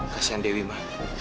kasian dewi ma